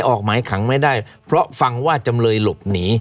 ออกหมายขังไม่ได้เพราะฟังว่าจำเลยหลบหนี